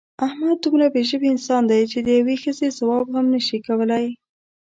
احمد دومره بې ژبې انسان دی چې د یوې ښځې ځواب هم نشي کولی.